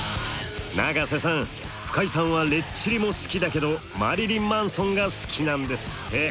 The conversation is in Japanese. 永瀬さん深井さんはレッチリも好きだけどマリリン・マンソンが好きなんですって。